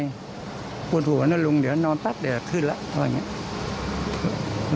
แล้วมีผู้บุคคุณไฟล์ลงพี่เนี้ยอ่านเรื่องข้างแรงผมปรากฎแล้วเลย